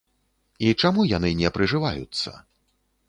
І чаму яны не прыжываюцца?